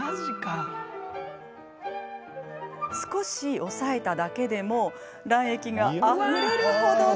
少し押さえただけでも卵液があふれる程。